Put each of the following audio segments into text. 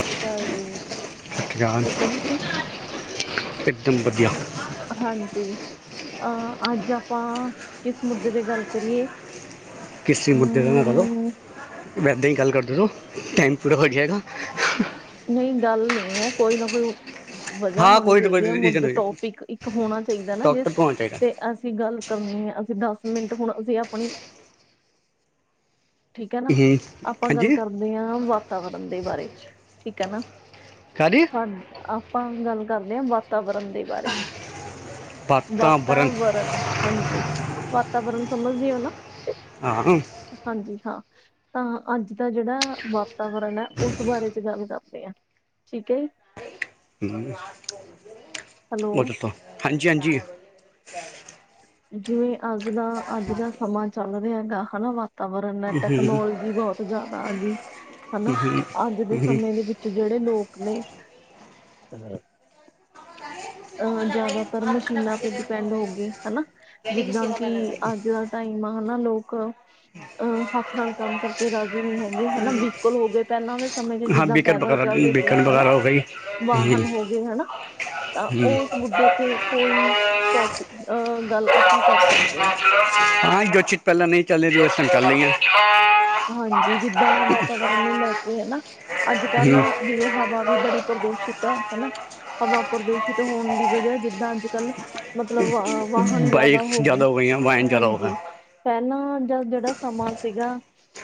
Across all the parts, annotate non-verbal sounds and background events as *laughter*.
ਸਤਿ ਸ਼੍ਰੀ ਅਕਾਲ ਜੀ। ਜਾਨ ਠੀਕ ਹੋ ਤੁਸੀਂ? ਇੱਕ ਦਮ ਵਧੀਆ ਹਾਂਜੀ ਅਹ ਅੱਜ ਆਪਾਂ ਕਿਸ ਮੁੱਦੇ ਤੇ ਗੱਲ ਕਰੀਏ। ਕਿਸੇ ਮੁੱਦੇ ਦਾ ਨਾ ਕਰੋ, ਹੂੰ, ਇੱਦਾਂ ਹੀ ਗੱਲ ਕਰਦੇ ਰਹੋ ਟਾਈਮ ਪੂਰਾ ਹੋ ਜਾਏਗਾ। ਨਹੀਂ ਗੱਲ ਨਹੀਂ ਹੈ ਕੋਈ ਨਾ ਕੋਈ। ਵਜਾ ਹਾਂ ਹੋਣੀ ਕੋਈ ਨਾ ਕੋਈ ਚਾਹੀਦੀ ਹੈ, ਰੀਜ਼ਨ ਮੁਦਾ ਹੋ ਜਾਏਗਾ ਟੋਪਿਕ ਇੱਕ ਹੋਣਾ ਚਾਹੀਦਾ ਨਾ ਡਾਕਟਰ ਜਿਸ ਕੋਲ ਆਉਣਾ ਚਾਹੀਦਾ ਤੇ ਅਸੀਂ ਗੱਲ ਕਰਨੀ ਹੈ ਅਸੀਂ ਦਸ ਮਿੰਟ ਹੁਣ ਅਸੀਂ ਆਪਣੀ ਠੀਕ ਹੈ ਨਾ ਹੂੰ ਆਪਾਂ ਗੱਲ ਹਾਂਜੀ ਕਰਦੇ ਹਾਂ ਵਾਤਾਵਰਨ ਦੇ ਬਾਰੇ ਚ ਠੀਕ ਹੈ ਨਾ ਕਾਹਦੀ ਆਪਾਂ ਗੱਲ ਕਰਦੇ ਹਾਂ ਵਾ ਵਾਤਾਵਰਨ ਦੇ ਬਾਰੇ ਚ ਵਾਤਾਵਰਨ ਹਾਂਜੀ ਵਾਤਾਵਰਨ ਸਮਝਦੇ ਹੋ ਨਾ ਆ ਹਮ ਹਾਂਜੀ ਹਾਂ ਤਾਂ ਅੱਜ ਦਾ ਜਿਹੜਾ ਵਾਤਾਵਰਨ ਹੈ ਉਸ ਬਾਰੇ ਚ ਗੱਲ ਕਰਦੇ ਹਾਂ। ਠੀਕ ਹ ਜੀ। ਹੈਲੋ ਉਹਦੇ ਤੋਂ ਹਾਂਜੀ ਹਾਂਜੀ ਜਿਵੇਂ ਅੱਜ ਦਾ ਅੱਜ ਦਾ ਸਮਾਂ ਚੱਲ ਰਿਹਾ ਹੈ ਗਾ ਹਨਾ। ਵਾਤਾਵਰਨ ਹੈ ਟੈਕਨੋਲੋਜੀ ਬਹੁਤ ਜਿਆਦਾ ਆ ਗਈ ਹਨਾ ਅੱਜ ਦੇ ਸਮੇਂ ਦੇ ਵਿੱਚ ਜਿਹੜੇ ਲੋਕ ਨੇ ਅ ਜ਼ਿਆਦਾਤਰ ਮਸ਼ੀਨਾਂ ਤੇ ਡਿਪੈਂਡ ਹੋ ਗਏ ਹਨਾ ਜਿੱਦਾਂ ਕਿ ਅੱਜ ਟਾਈਮ ਹਨਾ ਲੋਕ ਅਹ ਹੱਥ ਨਾਲ ਕੰਮ ਕਰਕੇ ਰਾਜ਼ੀ ਨਹੀਂ ਹੈਗੇ ਹਨਾ ਵਹੀਕਲ ਹੋ ਗਏ ਪਹਿਲਾਂ ਦੇ ਸਮੇਂ ਦੇ ਹਾਂ ਜਿੱਦਾਂ ਬੇਕਰ ਪੈਦਲ ਵਗੈਰਾ ਚੱਲਦੇ ਸੀ ਬੇਕਰ ਹਨਾ ਵਗੈਰਾ ਹੋ ਗਈ ਵਾਹਨ ਹੋ ਗਏ ਹਨਾ। ਤਾਂ ਉਸ ਮੁੱਦੇ ਤੇ ਕੋਈ ਟੋਪਿਕ ਅ ਗੱਲ ਆਪਾਂ ਕਰ ਸਕਦੇ ਹਾਂ। ਹਾਂ ਜੋ ਚੀਜ਼ ਪਹਿਲਾਂ ਨਹੀਂ ਚੱਲ ਰਹੀਆਂ ਸੀ ਓ ਚਲ ਰਹੀਆਂ ਨੇ। ਹਾਂਜੀ ਜਿੱਦਾਂ ਵਾਤਾਵਰਨ ਨੂੰ ਲੈ ਕੇ ਹਨਾ ਅੱਜ ਕੱਲ੍ਹ ਜਿਵੇਂ ਹਵਾ ਵੀ ਬੜੀ ਪ੍ਰਦੂਸ਼ਿਤ ਹੈ ਹਨਾ। ਹਵਾ ਪ੍ਰਦੂਸ਼ਿਤ ਹੋਣ ਦੀ ਵਜ੍ਹਾ ਜਿੱਦਾਂ ਅੱਜ ਕੱਲ ਮਤਲਬ ਵਾਹਨ ਜ਼ਿਆਦਾ ਬਾਈਕਸ ਹੋਗੇ ਹੋ ਗਈਆਂ, ਵਾਹਨ ਜ਼ਿਆਦਾ ਹੋ ਗਏ। ਹੂੰ। ਹਾਂਜੀ ਪਹਿਲਾਂ ਦਾ ਜਿਹੜਾ ਸਮਾਂ ਸੀਗਾ।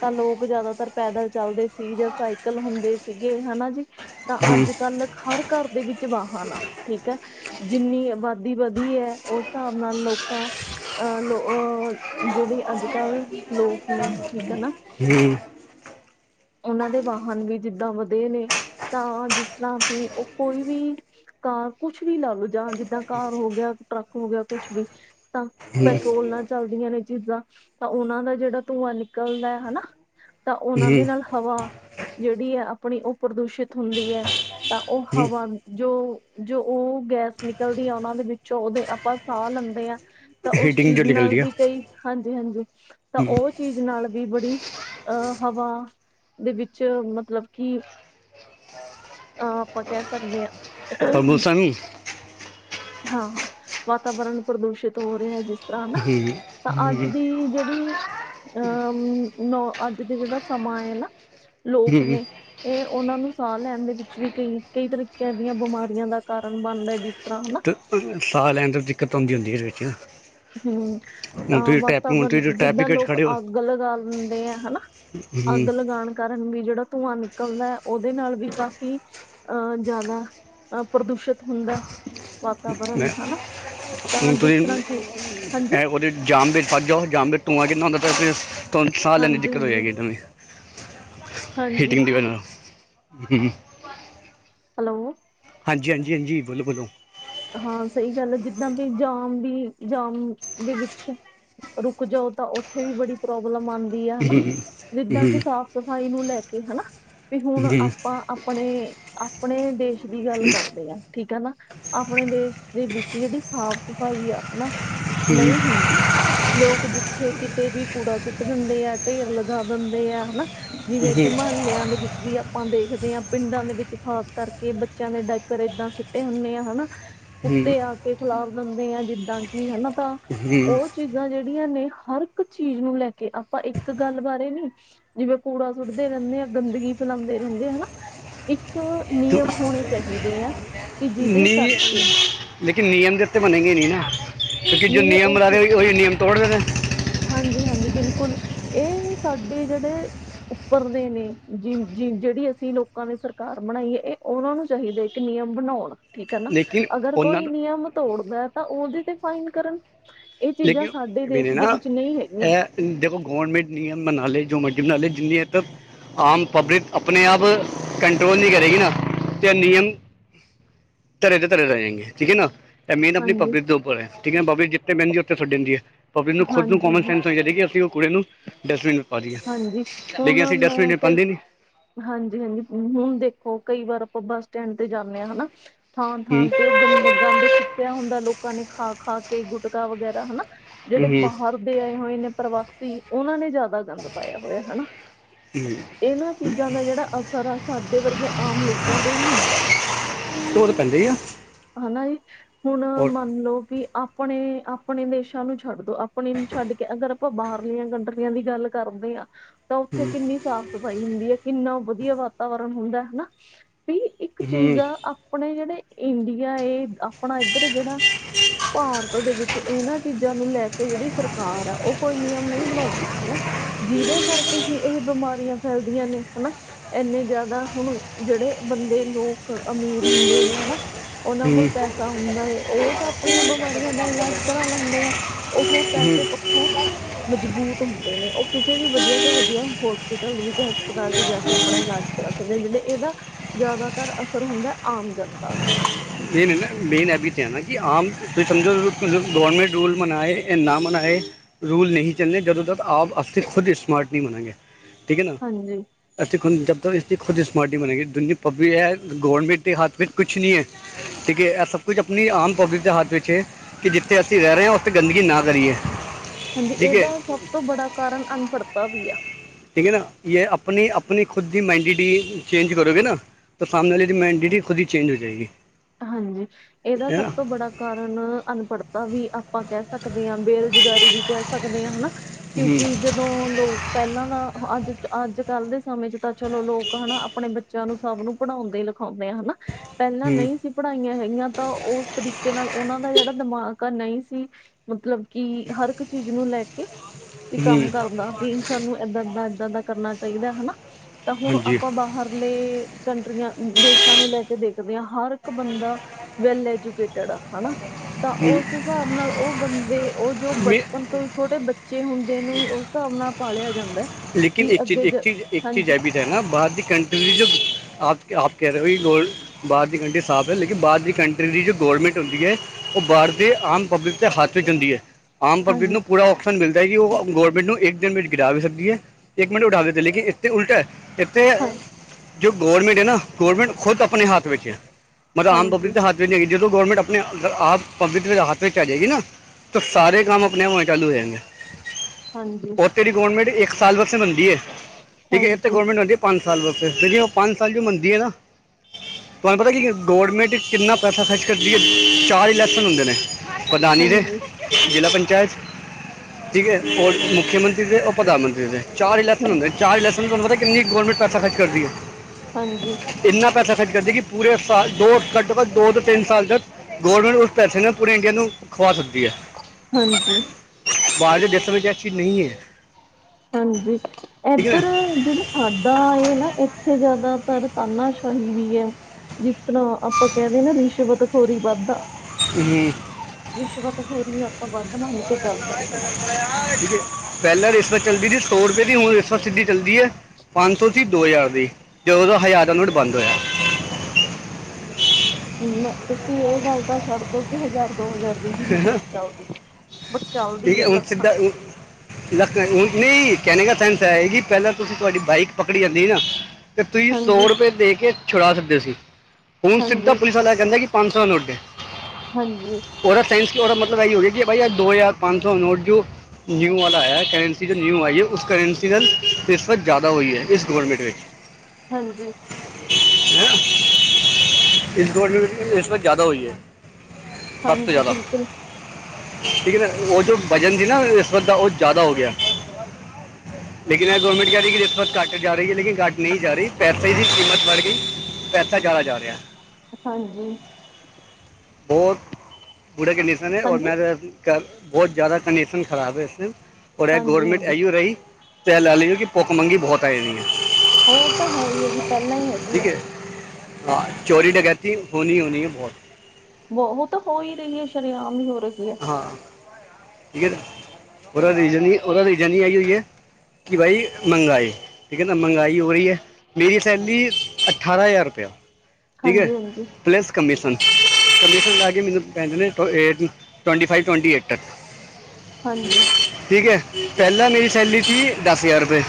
ਤਾਂ ਲੋਕ ਜਿਆਦਾਤਰ ਪੈਦਲ ਚਲਦੇ ਸੀ ਜਾਂ ਸਾਈਕਲ ਹੁੰਦੇ ਸੀਗੇ ਹਨਾ ਜੀ। ਤਾਂ ਅੱਜ ਕੱਲ ਹਰ ਘਰ ਦੇ ਵਿੱਚ ਵਾਹਨ ਆ ਠੀਕ ਹੈ। ਜਿੰਨੀ ਅਬਾਦੀ ਵਧੀ ਹੈ ਉਸ ਹਿਸਾਬ ਨਾਲ ਲੋਕਾਂ ਅਹ ਲੋ ਅ ਜਿਹੜੇ ਅੱਜ ਕੱਲ ਲੋਕ ਨੇ ਠੀਕ ਹੈ ਨਾ ਉਹਨਾਂ ਦੇ ਵਾਹਨ ਵੀ ਜਿੱਦਾਂ ਵਧੇ ਨੇ ਤਾਂ ਜਿਸ ਤਰ੍ਹਾਂ ਵੀ ਉਹ ਕੋਈ ਵੀ ਕਾਰ ਕੁਛ ਵੀ ਲਾ ਲੋੋ ਜਾਂ ਜਿੱਦਾਂ ਕਾਰ ਹੋ ਗਿਆ ਟਰੱਕ ਹੋ ਗਿਆ ਕੁਛ ਵੀ ਤਾਂ ਪੈਟਰੋਲ ਨਾਲ ਚੱਲਦੀਆਂ ਨੇ ਚੀਜ਼ਾਂ ਤਾਂ ਔਨਾਂ ਦਾ ਜੜਾ ਧੂਆਂ ਨਿਕਲਦਾ ਹਨਾ, ਤਾਂ ਔਨਾਂ ਦੇ ਨਾਲ ਹਵਾ ਜੇੜੀ ਹੈ ਅਪਣੀ, ਔਹ ਪ੍ਰਦੂਸ਼ਿਤ ਹੁੰਦੀ ਹੈ। ਤਾਂ ਔ ਹਵਾ ਜੋ, ਜੋ ਔ ਗੈਸ ਨਿਕਲਦੀ ਹੈ ਔਨਾਂ ਦੇ ਵਿੱਚੋਂ, ਉਦੇ ਆਪਾਂ ਸਾਂ ਲੈਂਦੇ ਆ, ਤਾਂ ਉਸ ਚੀਜ਼ ਨਾਲ ਵੀ ਕਈ ਹਾਂਜੀ-ਹਾਂਜੀ ਤਾਂ ਔਹ ਚੀਜ਼ ਨਾਲ ਵੀ ਬੜੀ, ਅ ਹਵਾ ਦੇ ਵਿੱਚ, ਮਤਲਬ ਕਿ, ਅ ਅਪਾਂ ਕੈ ਸਕਦੇ ਹਾਂ *unintelligible* ਹਾਂ-ਹਾਂ, ਵਾਤਾਵਰਨ ਪ੍ਰਦੂਸ਼ਿਤ ਹੋ ਰਿਹਾ ਜਿਸ ਤਰਾ ਨਾ, ਤਾਂ ਅੱਜ ਦੀ ਜੇੜੀ ਅਹ ਨ ਅੱਜ ਦਾ ਜਿਹੜਾ ਸਮਾਂ ਹੈ ਨਾ ਲੋਕ ਨੇ ਇਹ ਉਹਨਾਂ ਨੂੰ ਸਾਹ ਲੈਣ ਦੇ ਵਿੱਚ ਵੀ ਕਈ ਕਈ ਤਰੀਕਿਆਂ ਦੀਆਂ ਬਿਮਾਰੀਆਂ ਦਾ ਕਾਰਨ ਬਣਦਾ ਜਿਸ ਤਰ੍ਹਾਂ ਹਨਾ। ਤੇ ਸਾਹ ਲੈਣ ਦੀ ਦਿੱਕਤ ਆਉਂਦੀ ਹੁੰਦੀ ਇਹਦੇ ਵਿੱਚ ਹਮ ਹੁਣ ਤਾਂ ਤੁਸੀਂ ਟ੍ਰੈਫਿਕ ਹੁਣ ਤੁਸੀਂ ਵਾਤਾਵਰਨ ਜਿੱਦਾਂ ਟ੍ਰੈਫਿਕ ਵਿੱਚ ਲੋਕ ਅੱਗ ਲਗਾ ਦਿੰਦੇ ਆ ਹਨਾ। ਹਮ ਅੱਗ ਲਗਾਉਣ ਕਾਰਨ ਵੀ ਜਿਹੜਾ ਧੂੰਆਂ ਨਿਕਲਦਾ ਉਹਦੇ ਨਾਲ ਵੀ ਕਾਫ਼ੀ ਅਹ ਜ਼ਿਆਦਾ ਅਹ ਪ੍ਰਦੂਸ਼ਿਤ ਹੁੰਦਾ। ਵਾਤਾਵਰਨ ਮੈਂ ਹਨਾ ਤਾਂ ਜਿਸ ਤਰ੍ਹਾਂ ਕਿ ਹਾਂਜੀ ਇਹੋ ਜਿਹੇ ਜਾਮ ਵਿੱਚ ਫਸ ਜਾਓ ਜਾਮ ਵਿੱਚ ਧੂੰਆਂ ਕਿੰਨਾ ਹੁੰਦਾ। ਤੁਹਾਨੂੰ ਸਾਹ ਲੈਣ ਦੀ ਹਾਂਜੀ ਦਿੱਕਤ ਹੋ ਹਾਂਜੀ ਜਾਏਗੀ ਇਦਾਂ ਵੀ ਹਾਂਜੀ ਹੀਟਿੰਗ ਦੀ ਵਜਾਹ ਨਾਲ ਹਮ ਹੈਲੋ ਹਾਂਜੀ-ਹਾਂਜੀ-ਹਾਂਜੀ, ਬੋਲੋ-ਬੋਲੋ। ਹਾਂ, ਸਹੀ ਗੱਲ ਆ ਜਿੱਦਾਂ ਵੀ ਜਾਮ ਦੀ, ਜਾਮ ਦੇ ਵਿੱਚ ਰੁਕ ਜੋ, ਤਾਂ ਉੱਥੇ ਵੀ ਬੜੀ ਪ੍ਰੋਬਲਮ ਆਉਂਦੀ ਆ ਹਨਾ, ਜਿੱਦਾਂ ਕਿ ਸਾਫ਼-ਸਫ਼ਾਈ ਨੂੰ ਲੈ ਕੇ ਹਨਾ। ਵੀ, ਹੁਣ ਆਪਾਂ ਆਪਣੇ-ਆਪਣੇ ਦੇਸ਼ ਦੀ ਗੱਲ ਕਰਦੇ ਹਾਂ, ਠੀਕ ਹੈ ਨਾ? ਆਪਣੇ ਦੇਸ਼ ਦੇ ਵਿੱਚ ਜੇੜੀ ਸਾਫ਼-ਸਫ਼ਾਈ ਆ ਹਨਾ, ਹੂੰ ਨਈ ਹੁੰਦੀ। ਲੋਕ ਜਿੱਥੇ ਕਿਤੇ ਵੀ ਕੂੜਾ ਸਿੱਟ ਦਿੰਦੇ ਆ, ਢੇਰ ਲਗਾ ਦਿੰਦੇ ਆ, ਹਨਾ? ਜਿਵੇਂ ਕਿ ਮਹਲਿਆਂ ਦੇ ਵਿੱਚ ਵੀ, ਆਪਾਂ ਦੇਖਦੇ ਆਂ, ਪਿੰਡਾਂ ਦੇ ਵਿੱਚ ਖ਼ਾਸ ਕਰਕੇ ਬੱਚਿਆਂ ਦੇ ਡਾਇਪਰ ਇਦਾਂ ਸਿੱਟੇ ਹੁੰਦੇ ਆ, ਹਨਾ? ਹੂੰ ਕੁੱਤੇ ਆ ਕੇ ਖਲਾਰ ਦਿੰਦੇ ਆ, ਜਿੱਦਾਂ ਕਿ ਹਨਾ, ਤਾਂ ਹੂੰ ਹੂੰ ਉਹ ਚੀਜ਼ਾਂ ਜਿਹੜੀਆਂ ਨੇ, ਹਰ ਇੱਕ ਚੀਜ਼ ਨੂੰ ਲੈ ਕੇ ਆਪਾਂ ਇੱਕ ਗੱਲ ਬਾਰੇ ਨੀ ਜਿਵੇਂ ਕੂੜਾ ਸੁੱਟਦੇ ਰਹਿੰਦੇ ਆ, ਗੰਦਗੀ ਫੈਲਾਂਦੇ ਰਹਿੰਦੇ ਆ ਹਨਾ, ਇੱਕ ਨਿਯਮ ਹੋਣੇ ਚਾਹੀਦੇ ਆ, ਕਿ ਜਿਹਦੇ ਕਰ ਨੀ ਲੇਕਿਨ ਨਿਯਮ ਦੇ ਏਤੇ ਬਣੇਗੇ ਈ ਨੀ ਨਾ, ਕਿਉਂਕਿ ਜੋ ਨਹੀਂ ਨਿਯਮ ਬਲਾ ਰੇ, ਔਹੀ ਨਿਯਮ ਤੋੜ ਦਿੰਦੇ। ਹਾਂਜੀ-ਹਾਂਜੀ, ਬਿਲਕੁਲ, ਇਹ ਸਾਡੇ ਜਿਹੜੇ ਉੱਪਰ ਦੇ ਨੇ, ਜੀ ਜ ਜਿਹੜੀ ਅਸੀਂ ਲੋਕਾਂ ਨੇ ਸਰਕਾਰ ਬਣਾਈ ਏ, ਇਹ ਉਹਨਾਂ ਨੂੰ ਚਾਹੀਦੇ। ਕਿ ਨਿਯਮ ਬਣਾਉਣ। ਠੀਕ ਆ ਨਾ, ਲੇਕਿਨ ਅਗਰ ਉਹਨਾਂ ਕੋਈ ਦਾ ਨਿਯਮ ਤੋੜਦਾ ਤਾਂ ਉਹਦੇ ਤੇ ਫਾਈਨ ਕਰਨ। ਇਹ ਚੀਜ਼ਾਂ ਸਾਡੇ ਦੇਸ਼ ਦੇ ਵਿੱਚ ਨਹੀਂ ਹੈਗੀਆਂ ਐ ਦੇਖੋ, ਗੌਰਮੈਂਟ ਨਿਯਮ ਬਨਾਲੇ, ਜੋ ਮਰਜੀ ਬਨਾਲੇ, ਜਿੰਨੀ *unintelligible* ਆਮ ਪਬਲਿਕ ਆਪਣੇ ਆਪ ਕੰਟਰੋਲ ਨੀ ਕਰੇਗੀ ਨਾ, ਤੇ ਐ ਨਿਯਮ ਤਰੇ ਦੇ ਤਰੇ ਰੈ ਜੇਂਗੇ, ਠੀਕ ਏ ਨਾ, ਐ ਮੇਨ ਅਪਣੀ ਹਾਂਜੀ ਪਬਲਿਕ ਦੇ ਉੱਪਰ ਹੈ ਠੀਕ ਹੈ ਨਾ, ਪਬਲਿਕ ਜਿਥੇ ਬੈਂਦੀ ਏ, ੳਥੇ ਸੁਟ ਦਿੰਦੀ ਏ। ਪਬਲਿਕ ਨੂੰ ਖੁਦ ਨੂੰ ਹਾਂਜੀ ਕੋਮਨ ਜੀ ਸੈਂਸ ਹੋਣੀ ਚਾਹੀਦੀ ਕਿ ਅਸੀਂ ਉਹ ਕੁੜੇ ਨੂੰ ਡਸਬਿਨ ਪਾ ਦੀਏ, ਹਾਂਜੀ ਲੇਕਿਨ ਅਸੀਂ ਡਸਟਬਿਨ ਪਾਉਂਦੇ ਨੀ। ਹਾਂਜੀ-ਹਾਂਜੀ, ਹੁਣ ਦੇਖੋ ਕਈ ਵਾਰ ਅਪਾਂ ਬੱਸ ਸਟੈਂਡ ਤੇ ਜਾਂਨੇ ਆ ਹਨਾ? ਥਾਂ-ਥਾਂ ਤੇ ਉਹ ਗੰਦ ਗੰਦ ਥੁੱਕਿਆ ਹੁੰਦਾ ਲੋਕਾਂ ਨੇ ਖਾ-ਖਾ ਕੇ ਗੁਟਕਾ ਵਗੈਰਾ ਹਨਾ? ਹੂੰ ਜਿਹੜੇ ਹੂੰ ਬਾਹਰ ਦੇ ਆਏ ਹੋਏ ਨੇ, ਪ੍ਰਵਾਸੀ, ਉਹਨਾਂ ਨੇ ਜ਼ਿਆਦਾ ਗੰਦ ਪਾਇਆ ਹੋਇਆ ਹਨਾ। ਇਹਨਾਂ ਚੀਜ਼ਾਂ ਦਾ ਜਿਹੜਾ ਅਸਰ ਆ, ਸਾਡੇ ਵਰਗੇ ਆਮ ਲੋਕਾਂ ਤੇ ਵੀ ਹੁੰਦਾ। *unintelligible* ਹਨਾ ਜੀ। ਹੁਣ ਔਰ ਮੰਨ ਲੋ ਕੀ ਆਪਣੇ-ਆਪਣੇ ਦੇਸਾਂ ਨੂੰ ਛੱਡ ਦੋ ਆਪਣੇ ਨੂੰ ਛੱਡ ਕੇ ਅਗਰ ਆਪਾਂ ਬਾਹਰਲੀਆਂ ਕੰਟਰੀਆਂ ਦੀ ਗੱਲ ਕਰਦੇ ਆਂ। ਤਾਂ ਉੱਥੇ ਕਿੰਨੀ ਸਾਫ਼-ਸਫ਼ਾਈ ਹੁੰਦੀ ਏ, ਕਿੰਨਾ ਵਧੀਆ ਵਾਤਾਵਰਨ ਹੁੰਦਾ ਹਨਾ। ਬੀ ਇੱਕ ਚੀਜ਼ ਹੂੰ ਦਾ ਆਪਣੇ ਜਿਹੜੇ ਇੰਡੀਆ ਏ, ਆਪਣਾ ਇੱਧਰ ਜਿਹੜਾ ਭਾਰਤ ਦੇ ਵਿੱਚ ਇਹਨਾਂ ਚੀਜ਼ਾਂ ਨੂੰ ਲੈ ਕੇ ਜਿਹੜੀ ਸਰਕਾਰ ਹੈ, ਉਹ ਕੋਈ ਨਿਯਮ ਨਹੀਂ ਬਣਾਉਂਦੀ ਹਨਾ। ਜਿਹਦੇ ਕਰਕੇ ਹੀ ਇਹ ਬਿਮਾਰੀਆਂ ਫੈਲਦੀਆਂ ਨੇ ਹਨਾ। ਐਨੇ ਜ਼ਿਆਦਾ ਹੁਣ ਜਿਹੜੇ ਬੰਦੇ ਲੋਕ ਅਮੀਰ ਹੁੰਦੇ ਨੇ ਹਨਾ। ਉਹਨਾਂ ਕੋਲ ਹੂੰ ਪੈਸਾ ਹੁੰਦਾ ਏ ਓਹ ਤਾਂ ਆਪਣੀਆਂ ਬਿਮਾਰੀਆਂ ਦਾ ਇਲਾਜ ਕਰਾ ਲੰਦੇ ਐ। ਉਹ ਹੂੰ ਪੈਸੇ ਪੱਖੋ ਮਜ਼ਬੂਤ ਹੁੰਦੇ ਨੇ, ਉਹ ਕਿਸੇ ਵੀ ਵਧੀਆ ਤੋਂ ਵਧੀਆ ਹੋਸਪਿਟਲ ਵਿੱਚ, ਹਸਪਤਾਲ ਚ ਜਾ ਕੇ ਅਪਣਾ ਇਲਾਜ ਕਰਾ ਸਕਦੇ ਜਿਹੜੇ ਇਹਦਾ ਜ਼ਿਆਦਾਤਰ ਅਸਰ ਹੁੰਦਾ ਆਮ ਜਨਤਾ ਨੂੰ। ਮੇਨ ਨਾ, ਮੇਨ ਐ ਵੀ ਤੇ ਹੈ ਨਾ ਕਿ ਆਮ ਤੁਸੀਂ ਸਮਝੋ ਗੌਰਮੈਂਟ ਰੂਲ ਮਨਾਏ ਨਾ ਮਨਾਏ। ਰੂਲ ਨਹੀਂ ਚੱਲੇ, ਜਦੋਂ ਤੱਕ ਆਪ ਅਸੀਂ ਖੁਦ ਸਮਾਰਟ ਨੀ ਬਣਾਂਗੇ, ਠੀਕ ਏ ਨਾ? ਹਾਂਜੀ। ਅਸੀਂ ਖੁਦ ਜਦ ਤੱਕ ਅਸੀਂ ਖੁਦ ਸਮਾਰਟ ਨੀ ਬਣਾਂਗੇ, ਦੁਨੀਆ ਪਬਲੀ ਐ ਗੌਰਮੈਂਟ ਦੇ ਹੱਥ ਵਿੱਚ ਕੁਛ ਨੀ ਐ। ਠੀਕ ਏ, ਐ ਸਭ ਕੁਛ ਅਪਣੀ ਆਮ ਪਬਲਿਕ ਦੇ ਹੱਥ ਵਿੱਚ ਏ। ਕਿ ਜਿੱਥੇ ਅਸੀਂ ਰਹਿ ਰਹੇ ਆ, ਉੱਥੇ ਗੰਦਗੀ ਨਾ ਕਰੀਏ। ਹਾਂਜੀ, ਠੀਕ ਹੈ ਇਹਦਾ ਸਭ ਤੋਂ ਬੜਾ ਕਾਰਨ ਅਨਪੜ੍ਹਤਾ ਵੀ ਆ। ਠੀਕ ਏ ਨਾ, ਯੇ ਅਪਣੀ ਅਪਣੀ ਖੁਦ ਦੀ ਮੈਂਡੀਟੀ ਚੇਂਜ ਕਰੋਗੇ ਨਾ, ਤਾਂ ਸਾਮਣੇ ਵਾਲੇ ਦੀ ਮੈਂਡਿਟੀ ਖੁਦ ਹੀ ਚੇਜ ਹੋ ਜਾਏਗੀ। ਹਾਂਜੀ। ਏਦਾ ਹੈ ਸਭ ਨਾ ਤੋਂ ਬੜਾ ਕਾਰਨ ਅਨਪੜ੍ਹਤਾ ਵੀ ਆਪਾਂ ਕੈ ਸਕਦੇ ਆਂ, ਬੇਰੁਜ਼ਗਾਰੀ ਵੀ ਕੈ ਸ ਸਕਦੇ ਆਂ ਹਨਾ। ਹੂੰ ਕਿਉਂਕਿ, ਜਦੋਂ ਲੋਕ ਪੈਲਾਂ ਤਾਂ, ਅੱਜ ਅੱਜ-ਕੱਲ੍ਹ ਦੇ ਸਮੇਂ ਚ ਤਾਂ ਚਲੋ ਲੋਕ ਹਨਾ ਅਪਣੇ ਬੱਚਿਆਂ ਨੂੰ ਸਭ ਨੂੰ ਪੜ੍ਹੋਦੇ ਹੁੰਦੇ ਆ ਹਨਾ। ਪੈਲਾਂ ਹੂੰ ਨਹੀਂ ਪੜ੍ਹਾਈਆਂ ਹੈਗੀਆਂ ਤਾਂ, ਓਸ ਤਰੀਕੇ ਨਾਲ ਔਨਾਂ ਦਾ ਜੇੜਾ ਦਿਮਾਗ ਆ ਨਹੀਂ ਸੀ ਮਤਲਬ ਕਿ ਹਰ ਅਕ ਚੀਜ਼ ਨੂੰ ਲੈ ਕੇ ਵੀ ਹੂੰ ਕੰਮ ਕਰਦਾ। ਵੀ ਸਾਨੂੰ ਏਦਾਂ ਏਦਾਂ ਏਦਾਂ ਦਾ ਕਰਨਾ ਚਾਈਦਾ ਹਨਾ, ਤਾਂ ਹੁਣ ਹਾਂਜੀ ਅਪਾਂ ਬਾਹਰਲੀ ਕੰਟਰੀਆਂ ਦੇਸ਼ਾਂ ਨੂੰ ਲੈ ਕੇ ਦੇਖਦੇ ਆ, ਹਰ ਇੱਕ ਬੰਦਾ ਵੈਲ ਐਜੂਕੇਟਡ ਆ ਹਨਾ। ਤਾਂ ਹੂੰ ਔਸ ਹਿਸਾਬ ਨਾਲ ਓਹ ਬੰਦੇ ਔ ਜੋ ਬਚਪਨ ਤੋਂ ਈ ਛੋਟੇ ਬੱਚੇ ਹੁੰਦ ਦੇ ਨੂੰ ਈ ਔਸ ਸਾਬ ਨਾਲ ਪਾਲਿਆ ਜਾਂਦੈ, ਕਿ ਅੱਗੇ ਜ ਹਾਂਜੀ। ਤੇ ਐ ਨਾ ਬਾਹਰ ਦੀ ਕੰਟਰੀ, ਜੋ ਆਪ ਆਪ ਕੈ ਰੇ ਹੋ ਇ ਗੋਲ ਬਾਹਰ ਦੀ ਕੰਟਰੀ ਸਾਫ ਐ, ਲੇਕਿਨ ਬਾਰ ਦੀ ਕੰਟਰੀ ਦੀ ਜੋ ਗੌਰਮੈਂਟ ਹੁੰਦੀ ਏ ਓਹ ਬਾਰ ਦੇ ਆਮ ਪਬਲਿਕ ਤੇ ਹੱਥ ਵਿਚ ਹੁੰਦੀ ਏ, ਆਮ ਪਬਲਿਕ ਹਾਂਜੀ ਨੂੰ ਪੂਰਾ ਔਪਸ਼ਨ ਮਿਲਦੈ ਕਿ ਓਹ ਗੌਰਮਿਂਟ ਨੂੰ ਇੱਕ ਦਿਨ ਵਿੱਚ ਗਿਰਾ ਵੀ ਸਕਦੀ ਏ, ਇੱਕ ਮਿੰਟ ਉਠਾ ਦਿੱਤੇ, ਲੇਕਿ ਇੱਥੇ ਉਲਟੈ। ਥੇ ਹਾਂ ਜੋ ਗੌਰਮੇਂਟ ਏਨਾ ਗੌਰਮੇਂਟ ਖੁਦ ਅਪਣੇ ਹੱਥ ਵਿੱਚ ਐ। ਮਤਲਬ ਆਮ ਪਬਲਿਕ ਹਾਂਜੀ ਦੇ ਹੱਥ ਚ ਨੀ ਹੈਗੀ। ਜਦੋ, ਗੌਰਮੇਂਟ ਅਪਣੇ ਆਪ ਪਬਲਿਕ ਦੇ ਹਥੇ ਚ ਆ ਜੇਗੀ ਨਾ ਤ ਸਾਰੇ ਕੰਮ ਅਪਣੇ ਆਪ ਹੋਣੇ ਚਾਲੂ ਹੋ ਜਾਏਗੇ। ਹਾਂਜੀ। ਥੇ ਦੀ ਗੌਰਮੇਂਟ ਇੱਕ ਸਾਲ ਵਾਸਤੇ ਬਣਦੀ ਏ, ਠੀਕ ਏ। ਏਥੇ ਹਾਂਜੀ ਗੌਰਮੇਂਟ ਬਣਦੀ ਏ ਪਾੰਜ ਸਾਲ ਵਾਸਤੇ, ਲੇਕਿ ਓਹ ਪਾੰਜ ਸਾਲ ਜੋ ਬੰਨਦੀ ਏ ਨਾ ਤੁਹਾਨੂੰ ਪਤੈ ਕਿ ਗੇ ਗੌਰਮੇਂਟ ਕਿੰਨਾ ਪੈਸਾ ਖਰਚ ਕਰਦੀ ਏ, ਚਾਰ ਇਲੈਕਸਨ ਹੁੰਦੇ ਨੇ। ਪ੍ਰਧਾਨੀ ਦੇ, ਹਾਂਜੀ ਜਿਲਾ ਪੰਚਾਇਤ। ਠੀਕ ਏ, ਔਰ ਮੁੱਖਯ ਮੰਤਰੀ ਦੇ ਔਰ ਪ੍ਰਧਾਨ ਮੰਤਰੀ ਦੇ ਚਾਰ ਇਲੈਕਸ਼ਨ ਹੁੰਦੇਣ। ਚਾਰ ਇਲੈਸ਼ਨ ਤੁਹਾਨੂੰ ਪਤੈ, ਕਿੰਨੀ ਗੌਰਮੇਟ ਪੈਸਾ ਖਰਚ ਕਰਦੀ ਏ। ਹਾਂਜੀ। ਇੰਨਾ ਪੈਸਾ ਖਰਚ ਕਰਦੀ ਏ ਕਿ ਪੂਰੇ ਸਾਲ ਦੋ ਘੱਟੋ-ਘੱਟ ਦੋ ਤੋ ਤੇਨ ਸਾਲ ਤੱਕ ਗੌਰਮੇਂਟ ਉਸ ਪੈਸੇ ਨੂੰ ਪੂਰੇ ਇੰਡੀਆ ਨੂੰ ਖਵਾ ਸਕਦੀ ਐ। ਹਾਂਜੀ। ਬਾਰ ਦੀ ਦੇਸ਼ਾ ਵਿਚ ਐਸਾ ਨਹੀਂ ਏ। ਹਾਂਜੀ, ਐਧਰ ਨਾ ਜੇੜੇ ਸਾਡਾ ਏ ਨਾ ਏਥੇ ਜੈਦਾਤਰ ਤਾਨਾਸ਼ਾਹੀ ਵੀ ਏ। ਜਿਸ ਤਰ੍ਹਾਂ ਆਪਾਂ ਕੈਦੇ ਨਾ ਰਿਸ਼ਵਤ ਖੋਰੀ ਵੱਧ ਆ। ਉਂ। ਰਿਸ਼ਵਤਖੋਰੀ ਆਪਾਂ ਵੱਧ ਮਾਣ ਠੀਕ ਪਹਿਲਾਂ ਰਿਸ਼ਵਤ ਚੱਲਦੀ ਸੀ ਸੌ ਰੁਪਏ ਦੀ। ਹੁਣ ਰਿਸ਼ਵਤ ਸਿੱਧੀ ਚੱਲਦੀ ਹੈ। ਪੰਜ ਸੌ ਸੀ ਦੋ ਹਜ਼ਾਰ ਦੀ। ਜਦੋਂ ਤੋਂ ਹਜ਼ਾਰ ਦਾ ਨੋਟ ਬੰਦ ਹੋਇਆ। *inaudible* ਹਮ ਹਾਂ, ਮੈਂ ਤੁਸੀਂ ਇਹ ਗੱਲ ਤਾਂ ਛੱਡ ਦੋ ਕਿ ਹਜ਼ਾਰ, ਦੋ ਹਜ਼ਾਰ ਦੀ ਹੀ ਰਿਸ਼ਵਤ ਚਲਦੀ। ਬਟ ਚਲਦੀ ਠੀਕ ਏ, ਹੁਣ ਸਿੱਦਾ ਏ ਲਕੇ ਹੁਣ ਨਹੀਂ, ਕੈਨੇ ਕਾ ਸੈਨਸ ਐ ਏ, ਕਿ ਪੈਲਾਂ ਤੁਸੀਂ ਤੁਹਾਡੀ ਬਾਈਕ ਪਕੜੀ ਜਾਂਦੀ ਹੀ ਨਾ ਤੇ ਤੁਸੀਂ ਸੌ ਹਾਂਜੀ ਰੁਪਏ ਦੇ ਕੇ ਛੁਡਾ ਸਕਦੇ ਸੀ। ਹੁਣ, ਸਿੱਧਾ ਹਾਂਜੀ ਪੁਲਿਸ ਆਲਾ ਐ ਕੈੰਦਾ ਏ ਕਿ ਪੰਜ ਸੌ ਦਾ ਨੋਟ ਦੇ। ਹਾਂਜੀ। ਔਤ ਸੈਂਸ ਔਰ ਮਤਲਬ ਇਹਹੀ ਹੋਹੀ ਹੈ ਕਿ ਭਈ ਯ ਦੋ ਹਜ਼ਾਰ ਪੰਜ ਸੌ ਨੋਟ ਦੋ ਨਿਊ ਵਾਲਾ ਹੈ ਕਰੰਸੀ, ਜੋ ਨਿਊ ਆਈ ਹੈ ਉਸ ਕਰੰਸੀ ਦਾ ਰਿਸ਼ਵਤ ਜ਼ਿਆਦਾ ਹੋਈ ਹੈ। ਇਸ ਗੌਰਮੈਂਟ ਵਿੱਚ। ਹਾਂਜੀ। ਹੈ, ਇਸ ਗੌਰਮਿੰਟ ਵਿਚ ਰਿਸ਼ਵਤ ਜ਼ਿਆਦਾ ਹੋਈ ਹੈ। ਸਭ ਤੋਂ ਹਾਂਜੀ ਜ਼ਿਆਦਾ। ਬਿਲਕੁਲ ਠੀਕ ਨਾ ਉਹ ਜੋ ਵਜ਼ਨ ਸੀ ਨਾ ਇਸ ਵਕਤ ਦਾ ਉਹ ਜ਼ਿਆਦਾ ਹੋ ਗਿਆ। ਲੇਕਿਨ ਇਹ ਗਵੌਰਰਮੈਂਟ ਕਹਿ ਰਹੀ ਕਿ ਰਿਸ਼ਵਤ ਘੱਟ ਵਕਤ ਜਾ ਰਹੀ ਹੈ ਲੇਕਿਨ ਘੱਟ ਨਹੀਂ ਜਾ ਰਹੀ ਪੈਸੇ ਦੀ ਕੀਮਤ ਵਧ ਗਈ, ਪੈਸਾ ਜ਼ਿਆਦਾ ਜਾ ਰਿਹਾ। ਹਾਂਜੀ। ਬਹੁਤ, ਬੁਰੇ ਕੰਡੀਸ਼ਨ ਨੇ ਔਰ ਹਾਂਜੀ ਮੈਂ ਕ ਬਹੁਤ ਜ਼ਿਆਦਾ ਕੰਡੀਸ਼ਨ ਖਰਾਬ ਹੈ ਇਸਦੀ ਔਰ ਇਹ ਹਾਂਜੀ ਗੌਰਮੈਂਟ ਹਾਂਜੀ ਇਹਓ ਰਹੀ ਪਹਿਲ ਲਈ ਕਿ ਪੁੱਖ ਮੰਗੀ ਬਹੁਤ ਆ ਜਾਣੀ ਆ। ਉਹ ਤਾਂ ਹੈ ਹੀ ਹੈਗੀ ਪਹਿਲਾਂ ਹੀ ਹੈਗੀ ਆ। ਹਾਂ ਚੋਰੀ ਢਕੇਤੀ ਹੋਣੀ-ਹੋਣੀ ਹੈ ਬਹੁਤ। ਉਹ ਤਾਂ ਹੋ ਹੀ ਰਹੀ ਹੈ ਸ਼ਰੇਆਮ ਹੀ ਹੋ ਰਹੀ ਹੈ। ਹਾਂ, ਠੀਕ ਏ ਨਾ ਉਹਦਾ ਰੀ ਉਹਦਾ ਰੀਜਨ ਵੀ ਇਹੀਓ ਈ ਐ ਕਿ ਭਾਈ ਮੰਗਹਾਈ। ਠੀਕ ਹੈ ਨਾ ਮਹਿੰਗਾਈ ਹੋ ਰਹੀ ਹੈ, ਮੇਰੀ ਸੈਲਰੀ ਅਠਾਰਾਂ ਹਜ਼ਾਰ ਰੁਪਇਆ। ਠੀਕ ਹੈ, ਹਾਂਜੀ ਹਾਂਜੀ ਪਲੱਸ ਕਮਿਸ਼ਨ ਕਮਿਸ਼ਨ ਲਾ ਕੇ ਮੈਨੂੰ ਕਹਿੰਦੇ ਨੇ ਏ ਟਵੰਟੀ-ਫਾਈਵ ਟਵੰਟੀ ਏਟ ਤੱਕ, ਹਾਂਜੀ, ਠੀਕ ਹੈ। ਪਹਿਲਾਂ ਮੇਰੀ ਸੈਲਰੀ ਸੀ ਦਸ ਹਜ਼ਾਰ ਰੁਪਏ।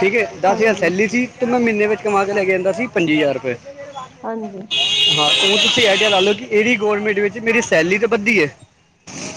ਠੀਕ ਹੈ। ਦਸ ਹਜ਼ਾਰ ਹਾਂਜੀ, ਸੈਲੀ ਸੀ ਤੇ ਮੈਂ ਮਹੀਨੇ ਵਿੱਚ ਕਮਾ ਕੇ ਲੈ ਕੇ ਆਦਾ ਸੀ ਪੰਜੀ ਹਜ਼ਾਰ ਰੁਪਏ। ਹਾਂਜੀ। ਹਾਂ, ਹੁਣ ਤੁਸੀਂ ਅੰਦਾਜ਼ਾ ਲਾ ਲਓ ਕਿ ਇਹਦੀ ਗਵੌਰਮੈਂਟ ਵਿੱਚ ਮੇਰੀ ਸੈਲੀਰੀ ਤਾਂ ਵੱਧਦੀ ਹੈ।